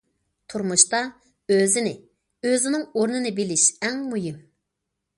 تۇرمۇشتا ئۆزىنى، ئۆزىنىڭ ئورنىنى بىلىش ئەڭ مۇھىم.